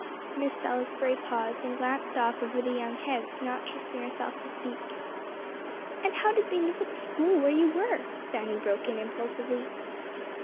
Miss Salisbury paused, and glanced off over the young heads, not trusting herself to speak. "And how did they know at the school where you were?" Fanny broke in impulsively.